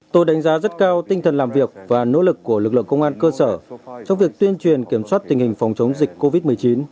tôi đánh giá rất cao tinh thần làm việc và nỗ lực của lực lượng công an cơ sở trong việc tuyên truyền kiểm soát tình hình phòng chống dịch covid một mươi chín